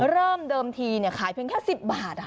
เริ่มเดิมทีขายเพียงแค่๑๐บาท